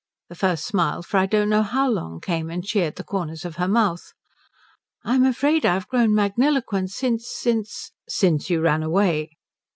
The first smile for I don't know how long came and cheered the corners of her mouth. "I'm afraid I've grown magniloquent since since " "Since you ran away?"